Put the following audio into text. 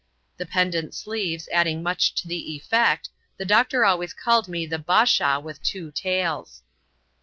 The pendent sleeves adding much to the effect, the doctor always called me the Bashaw with Two Tails.